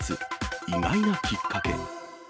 意外なきっかけ。